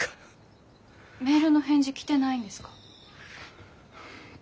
メールの返事来てないんですか？